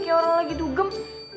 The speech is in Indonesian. kayak orang lagi dugem